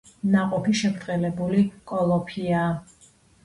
ნაყოფი შებრტყელებული კოლოფია.